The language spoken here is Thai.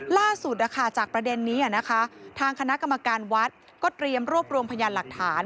ล่าสุดจากประเด็นนี้นะคะทางคณะกรรมการวัดก็เตรียมรวบรวมพยานหลักฐาน